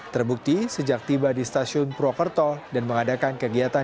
terbukti sejak tiba di stasiun purwokerto dan mengadakan kegiatan